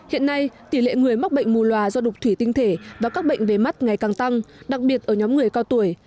hiện nay tỷ lệ người mắc bệnh mù loà do đục thủy tinh thể và các bệnh về mắt ngày càng tăng đặc biệt ở nhóm người cao tuổi